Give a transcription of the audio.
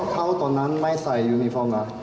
เท่านั้นไม่ใส่ยูนิฟอร์มนะ